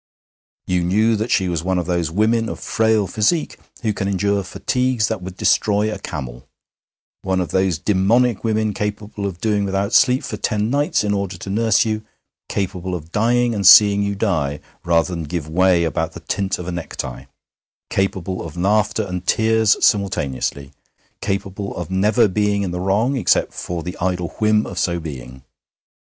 You knew that she was one of those women of frail physique who can endure fatigues that would destroy a camel; one of those dæmonic women capable of doing without sleep for ten nights in order to nurse you; capable of dying and seeing you die rather than give way about the tint of a necktie; capable of laughter and tears simultaneously; capable of never being in the wrong except for the idle whim of so being.